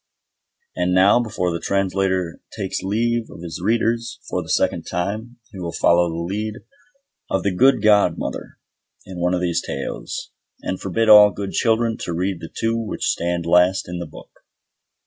And now, before the Translator takes leave of his readers for the second time, he will follow the lead of the good godmother in one of these Tales, and forbid all good children to read the two which stand last in the book.